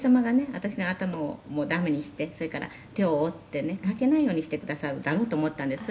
私の頭をダメにしてそれから手を折ってね書けないようにしてくださるだろうと思ったんです」